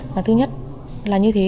và thứ nhất là như thế